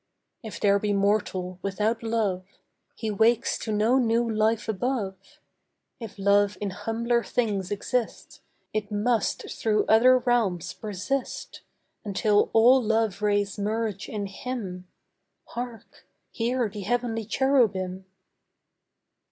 If there be mortal without love, He wakes to no new life above. If love in humbler things exist, It must through other realms persist Until all love rays merge in HIM. Hark! Hear the heavenly Cherubim!